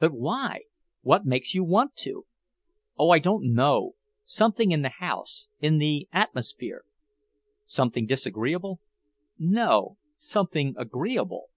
"But why? What makes you want to?" "Oh, I don't know! Something in the house, in the atmosphere." "Something disagreeable?" "No. Something agreeable."